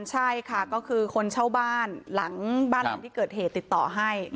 ใช่ค่ะก็คือคนเช่าบ้านหลังบ้านหลังที่เกิดเหตุติดต่อให้